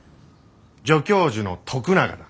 助教授の徳永だ。